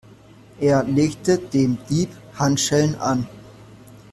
Er legte dem Dieb Handschellen an.